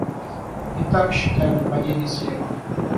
Итак, считаю нападенье слева!